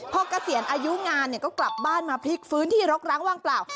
พอเกษียณอายุงานก็กลับบ้านมาพลิกฟื้นที่รกร้างว่างเปล่า